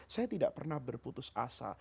saya tidak pernah berputus asa